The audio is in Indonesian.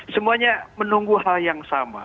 semuanya menunggu hal yang sama